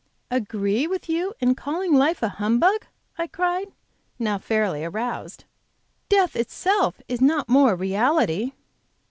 "Agree with you in calling life a humbug!" I cried, now fairly aroused. "Death itself is not more a reality!"